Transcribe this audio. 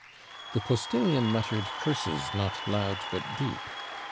The postillion muttered 'curses not loud, but deep.'